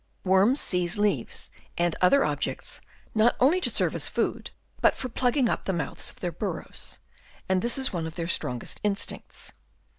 Worms seize leaves and other objects, not only to serve as food, but for plugging up the mouths of their burrows ; and this is one of their strongest instincts.